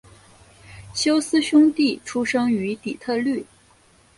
休斯兄弟出生于底特律。